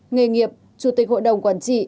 nghề nghiệp chủ tịch hội đồng quản trị